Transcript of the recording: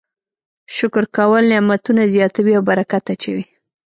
شکر کول نعمتونه زیاتوي او برکت اچوي.